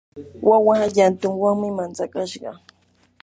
wawa llantunwanmi mantsakashqa.